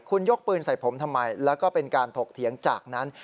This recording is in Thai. คุณยกปืนใส่ผมทำไมแล้วก็เป็นการถกเถียงจากนั้น